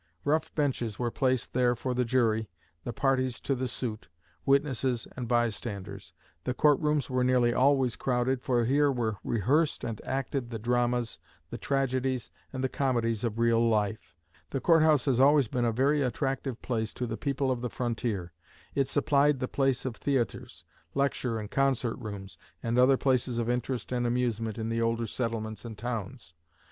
Rough benches were placed there for the jury, the parties to the suit, witnesses and bystanders. The court rooms were nearly always crowded for here were rehearsed and acted the dramas, the tragedies, and the comedies of real life. The court house has always been a very attractive place to the people of the frontier. It supplied the place of theatres, lecture and concert rooms, and other places of interest and amusement in the older settlements and towns.